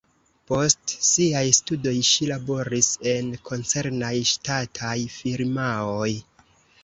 Post siaj studoj ŝi laboris en koncernaj ŝtataj firmaoj.